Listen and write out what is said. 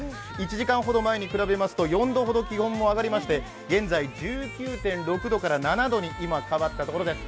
１時間ほど前に比べますと４度ほど気温も上がりまして現在１９．６度から７度に上がったところです。